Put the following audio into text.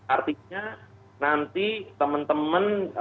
artinya nanti teman teman